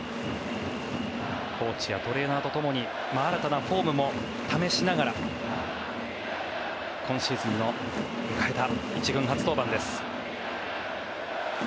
コーチやトレーナーとともに新たなフォームも試しながら今シーズンの迎えた１軍初登板です。